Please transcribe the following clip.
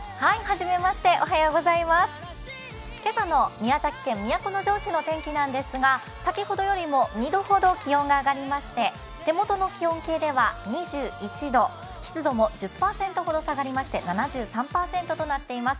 今朝の宮崎県都城市の天気なんですが先ほどよりも２度ほど気温が上がりまして、手元の気温計では２１度、湿度も１０％ほど下がりまして７３％となっています。